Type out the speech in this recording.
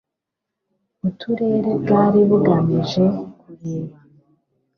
Uturere bwari bugamije kureba